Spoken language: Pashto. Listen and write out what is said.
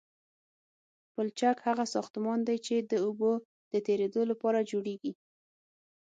پلچک هغه ساختمان دی چې د اوبو د تیرېدو لپاره جوړیږي